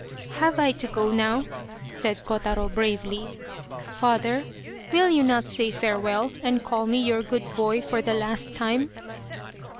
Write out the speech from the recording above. " Have I to go now ?" said Kotaro, bravely. " Father, will you not say farewell and call me your good boy for the last time